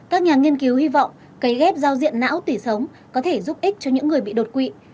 các nhà nghiên cứu hy vọng cấy ghép giao diện não tủy sống có thể giúp ích cho những người bị đột quỵ